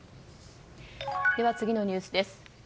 では、次のニュースです。